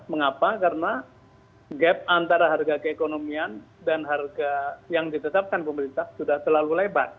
mengapa karena gap antara harga keekonomian dan harga yang ditetapkan pemerintah sudah terlalu lebar